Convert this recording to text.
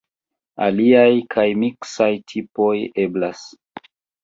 Aliaj kaj miksaj tipoj eblas.